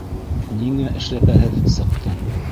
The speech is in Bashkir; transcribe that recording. Ниңә эшләпәһеҙ сыҡтың?